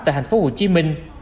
tại thành phố hồ chí minh